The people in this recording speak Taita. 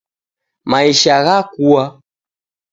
Maisha ghakua